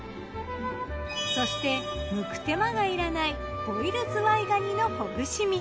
そして剥く手間がいらないボイルずわいがにのほぐし身。